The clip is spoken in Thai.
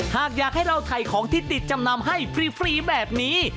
หากอยากให้เราถ่ายของที่ติดจำนำให้ฟรีแบบนี้